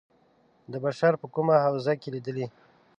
د بشر په کومه حوزه کې لېدلي.